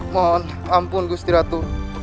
mohon ampun gustiratu